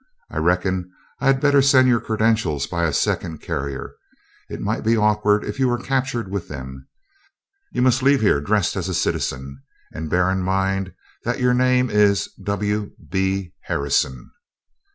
I reckon I had better send your credentials by a second carrier. It might be awkward if you were captured with them. You must leave here dressed as a citizen, and bear in mind that your name is W. B. Harrison."